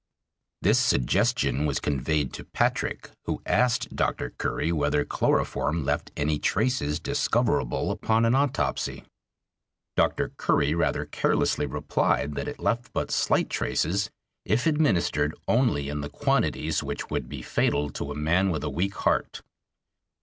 This suggestion was conveyed to Patrick, who asked Dr. Curry whether chloroform left any traces discoverable upon an autopsy. Dr. Curry rather carelessly replied that it left but slight traces if administered only in the quantities which would be fatal to a man with a weak heart.